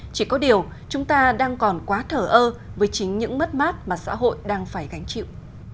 chỉ có điều chúng ta đang còn quá thở ơ với chính những mất mát mà xã hội đang phải gánh chịu